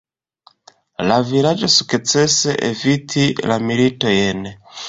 La vilaĝo sukcese evitis la militojn.